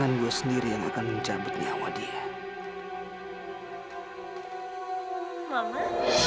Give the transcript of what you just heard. apakah itu harga yang saya hargai